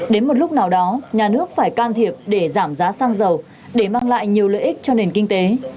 đến một lúc nào đó nhà nước phải can thiệp để giảm giá xăng dầu để mang lại nhiều lợi ích cho nền kinh tế